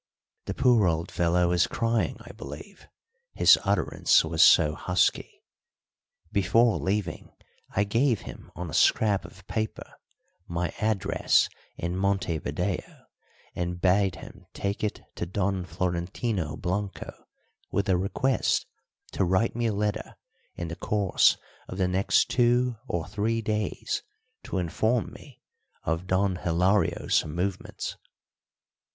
The poor old fellow was crying, I believe, his utterance was so husky. Before leaving I gave him on a scrap of paper my address in Montevideo, and bade him take it to Don Florentino Blanco with a request to write me a letter in the course of the next two or three days to inform me of Don Hilario's movements.